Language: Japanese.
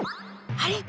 あれ？